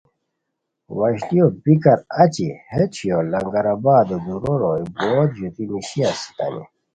وشلیو بیکار اچی ہے چھویو لنگر آبادو دُورو روئے بوت ژوتی نیشی استانی